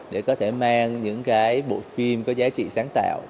để có thể mang những cái bộ phim có giá trị sáng tạo